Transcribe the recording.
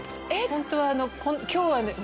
本当は今日はね。